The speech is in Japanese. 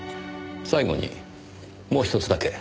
最後にもう１つだけ。